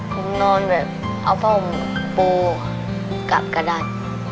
ผมนอนแบบเอาผ้าห่มปูกลับกระดาษ